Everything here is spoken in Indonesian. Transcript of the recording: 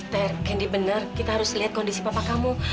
ter candy bener kita harus liat kondisi papa kamu